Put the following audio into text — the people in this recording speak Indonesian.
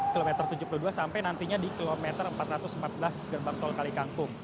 kilometer tujuh puluh dua sampai nantinya di kilometer empat ratus empat belas gerbang tol kalikangkung